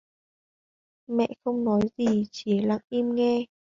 Mẹ không nói gì chỉ lặng im nghe